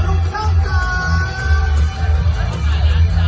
มันเป็นเมื่อไหร่แล้ว